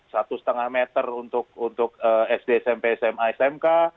satu setengah meter untuk sd smp sma smk